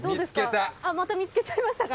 また見つけちゃいましたか？